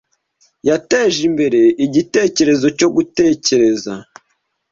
yateje imbere igitekerezo cyo Gutekereza